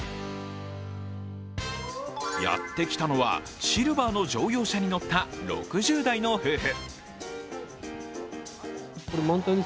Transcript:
やってきたのはシルバーの乗用車に乗った６０代の夫婦。